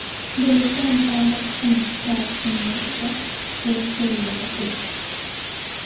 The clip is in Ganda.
Bulijjo mpanga kufuna kkaasi mu ga wooteeri ago.